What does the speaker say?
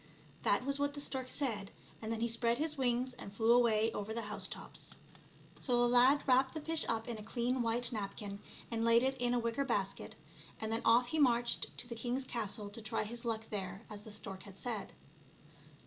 That was what the stork said, and then he spread his wings and flew away over the house tops. So the lad wrapped the fish up in a clean white napkin and laid it in a wicker basket, and then off he marched to the king s castle to try his luck there, as the stork had said.